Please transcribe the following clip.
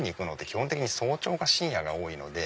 基本的に早朝か深夜が多いので。